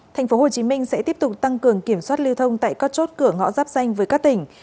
tp hcm sẽ tiếp tục tăng cường kiểm soát lưu thông tại các chốt cửa ngõ giáp danh với các tỉnh